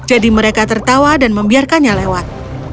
mereka tertawa dan membiarkannya lewat